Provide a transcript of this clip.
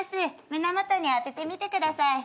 胸元に当ててみてください。